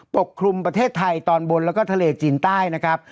กลุ่มประเทศไทยตอนบนแล้วก็ทะเลจีนใต้นะครับ